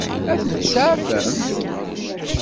Ad ten-tseɛfemt?